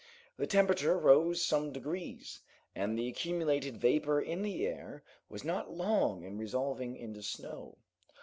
The temperature rose some degrees, and the accumulated vapor in the air was not long in resolving into snow.